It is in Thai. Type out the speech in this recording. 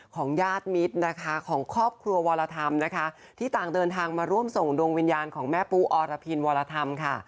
ญาติมิตรนะคะของครอบครัววรธรรมนะคะที่ต่างเดินทางมาร่วมส่งดวงวิญญาณของแม่ปูอรพินวรธรรมค่ะ